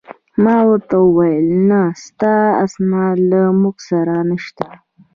ما ورته وویل: نه، ستا اسناد له موږ سره نشته.